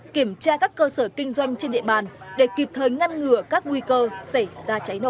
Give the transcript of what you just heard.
kiểm tra các cơ sở kinh doanh trên địa bàn để kịp thời ngăn ngừa các nguy cơ xảy ra cháy nổ